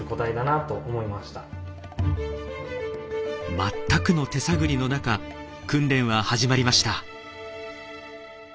全くの手探りの中訓練は始まりました。